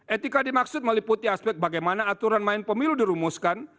etika dimaksud meliputi aspek bagaimana aturan main pemilu dirumuskan